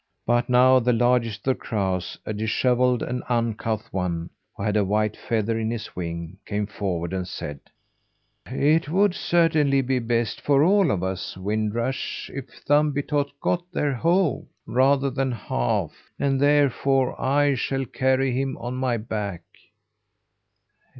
But now the largest of the crows a dishevelled and uncouth one, who had a white feather in his wing came forward and said: "It would certainly be best for all of us, Wind Rush, if Thumbietot got there whole, rather than half, and therefore, I shall carry him on my back."